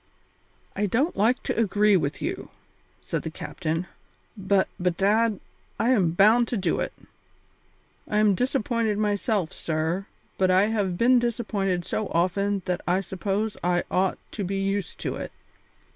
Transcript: "I don't like to agree with you," said the captain, "but, bedad, I am bound to do it. I am disappointed myself, sir, but I have been disappointed so often that I suppose I ought to be used to it.